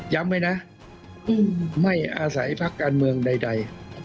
ย้ำให้นะไม่อาศัยภักด์การเมืองใด